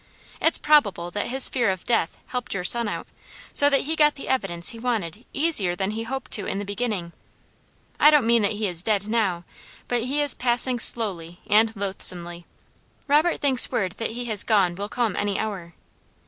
It's probable that his fear of death helped your son out, so that he got the evidence he wanted easier than he hoped to in the beginning. I don't mean that he is dead now; but he is passing slowly, and loathsomely. Robert thinks word that he has gone will come any hour.